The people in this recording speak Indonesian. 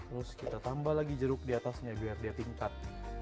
terus kita tambah lagi jeruk di atasnya biar dia tingkat